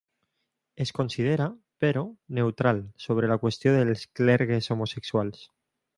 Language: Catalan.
Es considera, però, neutral sobre la qüestió dels clergues homosexuals.